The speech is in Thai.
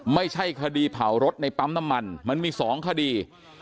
ไม่ใช่คดีเผารถในปั๊มน้ำมันมันมี๒คดี